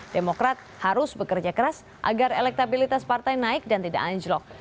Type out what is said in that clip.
demokrat harus bekerja keras agar elektabilitas partai naik dan tidak anjlok